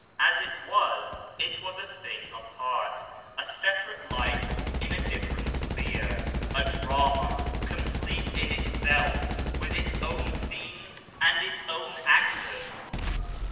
As it was, it was a thing apart ; a separate life in a different sphere ; a drama, complete in itself, with its own scenes and its own actors.